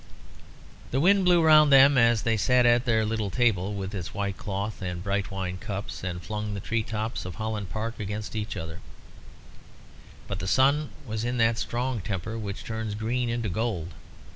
The wind blew round them as they sat at their little table, with its white cloth and bright wine cups, and flung the tree tops of Holland Park against each other, but the sun was in that strong temper which turns green into gold.